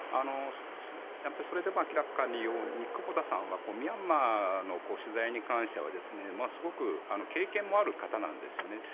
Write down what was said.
それでも明らかなように久保田さんはミャンマーの取材に関してはすごく経験もある方なんですよね。